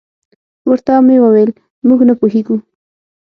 ورته مې وویل: موږ نه پوهېږو.